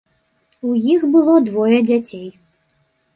У іх было двое дзяцей.